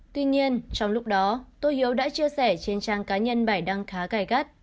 tuy nhiên trong lúc đó tô hiếu đã chia sẻ trên trang cá nhân bài đăng khá gài gắt